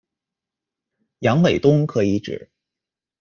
杨伟东可以指：